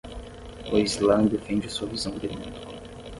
O islã defende sua visão de mundo